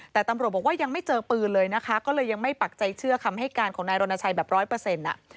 แต่ตำรวจบอกว่ายังไม่เจอปืนเลยนะคะก็เลยยังไม่ปักใจเชื่อคำให้การของนายรณชัยแบบร้อยเปอร์เซ็นต์อ่ะ